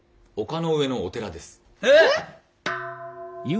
えっ！？